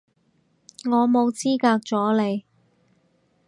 我冇資格阻你